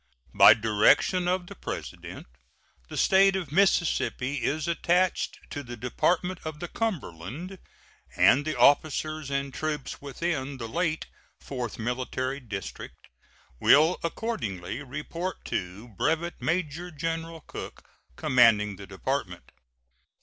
By direction of the President, the State of Mississippi is attached to the Department of the Cumberland, and the officers and troops within the late Fourth Military District will accordingly report to Brevet Major General Cooke, commanding the department.